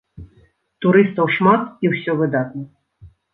Турыстаў шмат і ўсё выдатна.